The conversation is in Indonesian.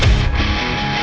ya ampun ya ampun